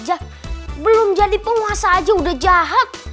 gimana kalo dia jadi penguasa di bangsa jin